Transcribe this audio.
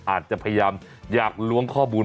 อาจจะพยายามอยากล้วงข้อมูล